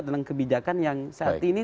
tentang kebijakan yang saat ini